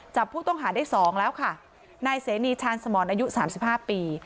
จับผู้ต้องหาได้๒แล้วค่ะนายเสนีชาญสมอนอายุ๓๕ปี